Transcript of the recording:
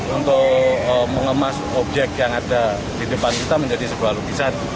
untuk mengemas objek yang ada di depan kita menjadi sebuah lukisan